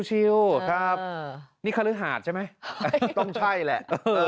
นี่ขั้นรึหาดใช่ไหมต้องใช่แหละ